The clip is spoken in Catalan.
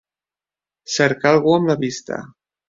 Cercar algú amb la vista.